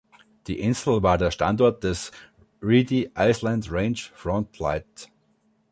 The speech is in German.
Die Insel war der Standort des Reedy Island Range Front Light.